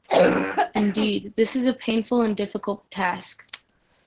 Indeed, this is a painful and difficult task.